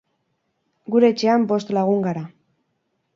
Gure etxean bost lagun gara.